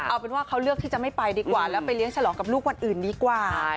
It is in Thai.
เอาเป็นว่าเขาเลือกที่จะไม่ไปดีกว่าแล้วไปเลี้ยฉลองกับลูกวันอื่นดีกว่า